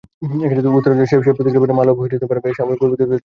উত্তরাঞ্চলে সে প্রতিক্রিয়ার পরেই মালব সাম্রাজ্যের সাময়িক গৌরবদীপ্তি দেখা দিয়াছিল।